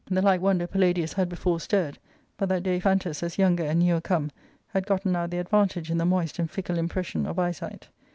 The like w^onder Palladius had before stirred, but that Daiphantus, as younger and newer come, had gotten now the advantage in the moist and fickle impression of eyesight.